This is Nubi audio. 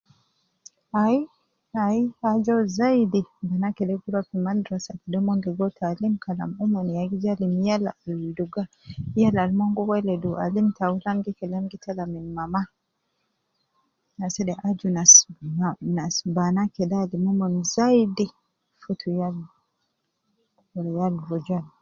Ayi ayi aju uwo zaidi banaa kede ruwa fi madrasa kede umon ligo taalim kalam umon ya gi ja alim yal al dugga al mon gi weledu kalam gi kelem taalim ta aulan gi tala min mama asede aju nas banaa kede alimu umon zaidi, futu yal al dugga.